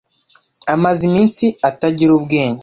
Amaze iminsi atagira ubwenge.